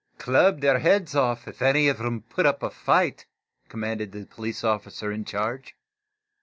"Club their heads off, if any of 'em put up a fight," commanded the police officer in charge.